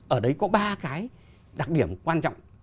ở đấy có ba cái đặc điểm quan trọng